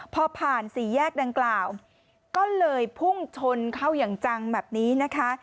พอผ่านสี่แยกดังกล่าวก็เลยพุ่งชนเข้าอย่างจังแบบนี้นะคะ